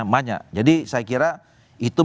banyak jadi saya kira itu